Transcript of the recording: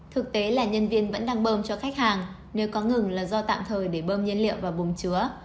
thực tế là nhân viên vẫn đang bơm cho khách hàng nếu có ngừng là do tạm thời để bơm nhân liệu và bùm chứa